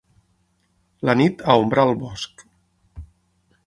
La nit aombrà el bosc.